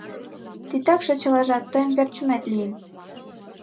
Титакше чылажат тый верчынет лийын.